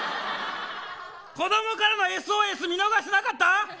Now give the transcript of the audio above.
子どもからのＳＯＳ見逃してなかった。